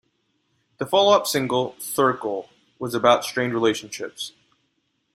The follow-up single, "Circle," was about strained relationships.